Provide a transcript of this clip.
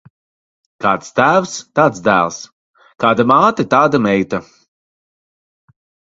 Kāds tēvs, tāds dēls; kāda māte, tāda meita.